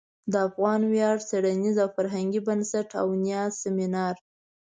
د افغان ویاړ څیړنیز او فرهنګي بنسټ او نیز سمینار